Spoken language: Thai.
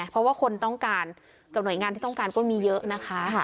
เพราะว่าคนต้องการกับหน่วยงานที่ต้องการก็มีเยอะนะคะ